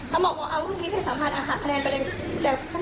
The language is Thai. เพราะว่าผู้บอกว่าเป็น